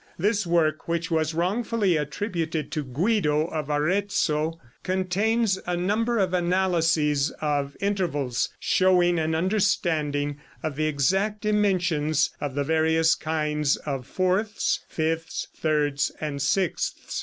This work, which was wrongfully attributed to Guido of Arezzo, contains a number of analyses of intervals showing an understanding of the exact dimensions of the various kinds of fourths, fifths, thirds and sixths.